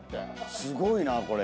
「すごいなこれ」